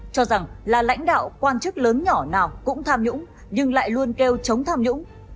cho rằng là lãnh đạo quan chức lớn nhỏ nào cũng tham nhũng nhưng lại luôn kêu chống tham nhũng